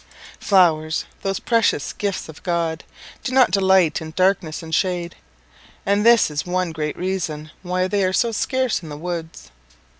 Flowers those precious gifts of God do not delight in darkness and shade, and this is one great reason why they are so scarce in the woods.